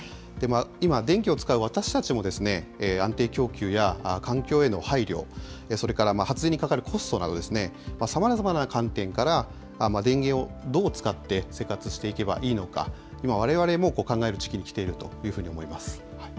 今、電気を使う私たちも、安定供給や環境への配慮、それから発電にかかるコストなど、さまざまな観点から、電源をどう使って生活していけばいいのか、今、われわれも考える時期にきていると思います。